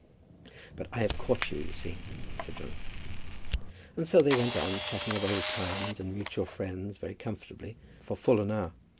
"But I have caught you, you see," said Johnny. And so they went on, chatting of old times and of mutual friends very comfortably for full an hour.